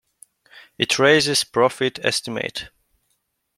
It raises profit estimate.